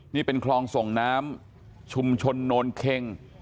นี่เป็นคลองส่งน้ำชุมชนโนนเค็ง